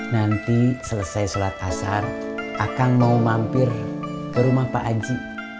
nanti selesai sholat asar akan mau mampir ke rumah pak aji